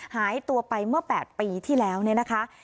หายตัวไปเมื่อ๘ปีที่แล้วเนี่ยนะคะ